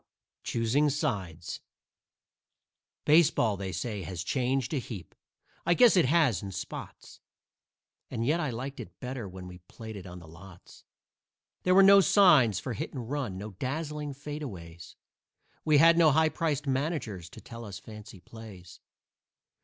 "CHOOSING SIDES" Baseball, they say, has changed a heap; I guess it has, in spots, And yet I liked it better when we played it on the lots. There were no signs for "hit and run," no dazzling "fadeaways"; We had no high priced managers to tell us fancy plays.